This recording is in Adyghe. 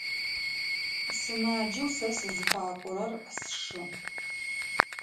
Сымаджэу сэ сызыфакӏорэр сшы.